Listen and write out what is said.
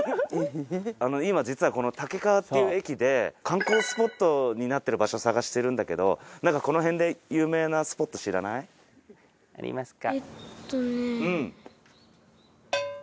今実はこの武川っていう駅で観光スポットになっている場所を探してるんだけど何かこの辺で有名なスポット知らない？ありますか？